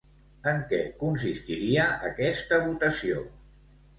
En què consistiria aquesta votació?